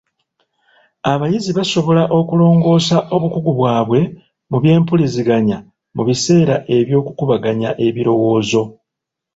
Abayizi basobola okulongoosa obukugu bwabwe mu by'empuliziganya mu biseera by'okukubaganya ebirowoozo.